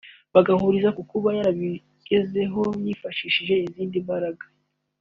bagahuriza ku kuba yarabigezeho yifashishije izindi mbaraga